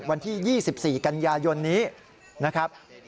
วันที่๒๔กันยายนนี้นะครับ